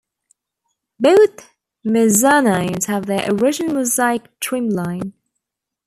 Both mezzanines have their original mosaic trim line.